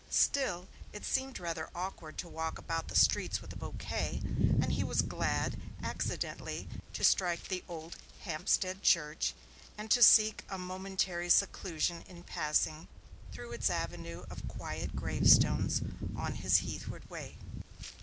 Still, it seemed rather awkward to walk about the streets with a bouquet, and he was glad, accidentally to strike the old Hampstead Church, and to seek a momentary seclusion in passing through its avenue of quiet gravestones on his heathward way.